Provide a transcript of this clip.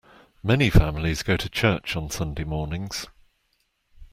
Many families go to church on Sunday mornings.